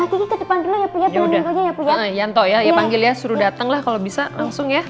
ada di depan punya punya punya punya yanto ya ya panggil ya suruh datang lah kalau bisa langsung ya